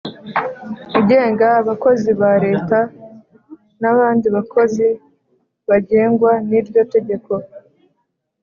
Igenga abakozi ba Leta n’ abandi bakozi bagengwa niryo tegeko